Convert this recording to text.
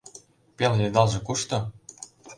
Пел йыдалже кушто?